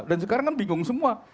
dan sekarang kan bingung semua